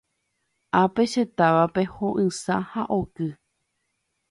Ápe che távape ho'ysã ha oky.